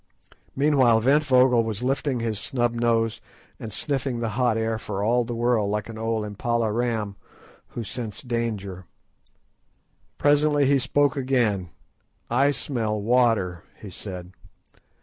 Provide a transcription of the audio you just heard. Meanwhile Ventvögel was lifting his snub nose, and sniffing the hot air for all the world like an old Impala ram who scents danger. Presently he spoke again. "I smell water," he said.